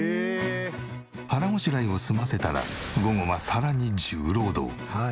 腹ごしらえを済ませたら午後はさらに重労働。